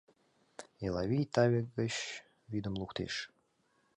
Элавий таве гыч вӱдым луктеш.